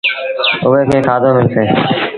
اُئي کي کآڌو ملسي۔